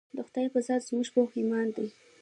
د خدائے پۀ ذات زمونږ پوخ ايمان دے